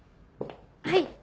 はい。